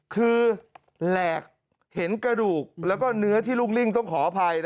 คือแหลกเห็นกระดูกแล้วก็เนื้อที่ลูกลิ่งต้องขออภัย